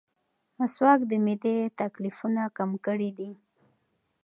مسواک د معدې تکلیفونه کم کړي دي.